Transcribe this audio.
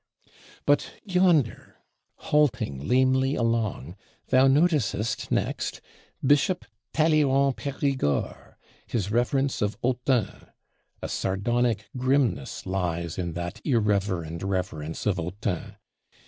But yonder, halting lamely along, thou noticest next Bishop Talleyrand Perigord, his Reverence of Autun. A sardonic grimness lies in that irreverend Reverence of Autun.